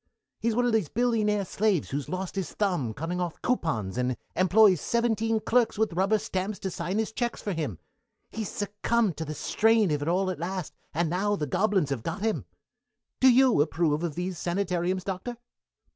He's one of these billionaire slaves who's lost his thumb cutting off coupons and employs seventeen clerks with rubber stamps to sign his checks for him. He's succumbed to the strain of it all at last, and now the gobelins have got him. Do you approve of these sanitariums, Doctor?"